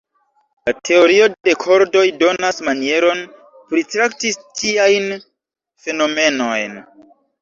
La Teorio de kordoj donas manieron pritrakti tiajn fenomenojn.